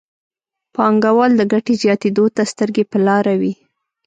پانګوال د ګټې زیاتېدو ته سترګې په لاره وي.